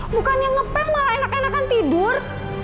bukan yang ngepel malah enak enakan tidur